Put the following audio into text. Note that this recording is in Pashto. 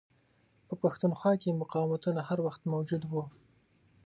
په پښتونخوا کې مقاوتونه هر وخت موجود وه.